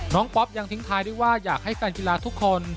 ป๊อปยังทิ้งท้ายด้วยว่าอยากให้แฟนกีฬาทุกคน